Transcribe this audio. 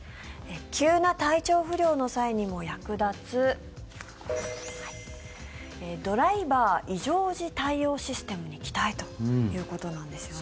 急な体調不良の際にも役立つドライバー異常時対応システムに期待ということなんですね。